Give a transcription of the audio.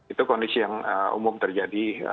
itu kondisi yang umum terjadi